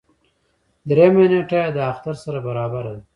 دريیمه نېټه یې د اختر سره برابره ده.